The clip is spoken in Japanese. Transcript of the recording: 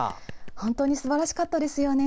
本当にすばらしかったですよね。